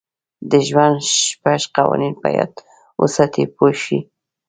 د ژوند شپږ قوانین په یاد وساتئ پوه شوې!.